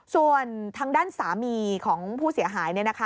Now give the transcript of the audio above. ส่วนทางด้านสามีของผู้เสียหาย